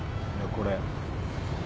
これ。